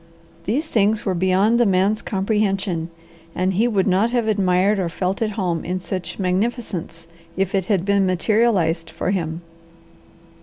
These things were beyond the man's comprehension and he would not have admired or felt at home in such magnificence if it had been materialized for him.